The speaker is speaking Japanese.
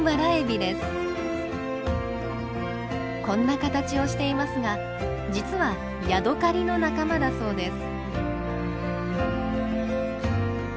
こんな形をしていますが実はヤドカリの仲間だそうです。